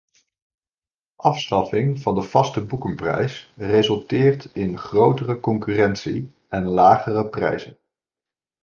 Afschaffing van de vaste boekenprijs resulteert in grotere concurrentie en lagere prijzen.